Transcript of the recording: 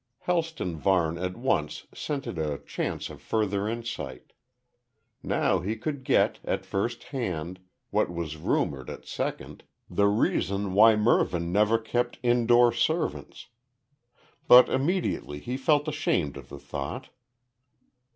Helston Varne at once scented a chance of further insight. Now he could get, at first hand, what was rumoured at second the reason why Mervyn never kept indoor servants. But immediately he felt ashamed of the thought.